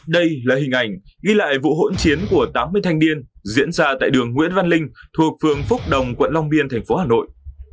đây là hình ảnh ghi lại vụ hỗn chiến của tám mươi thanh niên diễn ra tại đường nguyễn văn linh thuộc phường phúc đồng quận long biên thành phố hà nội